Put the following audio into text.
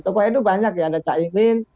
tokoh nu banyak ya ada caimin